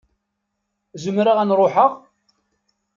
Zemreɣ ad n-ṛuḥeɣ?